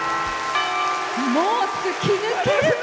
もう突き抜ける声！